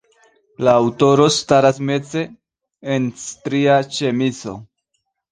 La aŭtoro staras meze, en stria ĉemizo.